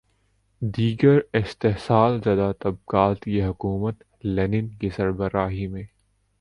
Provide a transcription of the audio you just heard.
دیگر استحصال زدہ طبقات کی حکومت لینن کی سربراہی میں